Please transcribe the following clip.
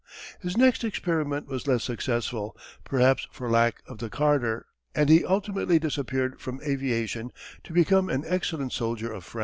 His next experiment was less successful perhaps for lack of the carter and he ultimately disappeared from aviation to become an excellent soldier of France.